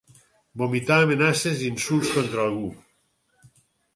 Vomitar amenaces, insults, contra algú.